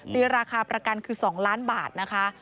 ตีราคาประกันคือ๒ล้านบาทนะคะ